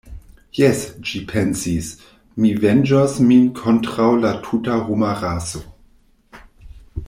Jes, ĝi pensis, mi venĝos min kontraŭ la tuta homa raso!